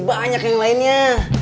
banyak yang lainnya